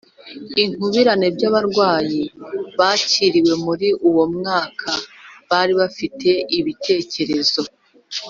inkubirane by abarwayi bakiriwe muri uwo mwaka bari bafite ibitekerezo